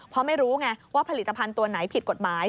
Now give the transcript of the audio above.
เพราะไม่รู้ไงว่าผลิตภัณฑ์ตัวไหนผิดกฎหมาย